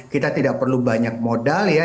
kita tidak perlu banyak modal ya